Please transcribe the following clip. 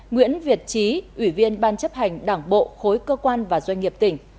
nguyễn việt trí ủy viên ban chấp hành đảng bộ khối cơ quan và doanh nghiệp tỉnh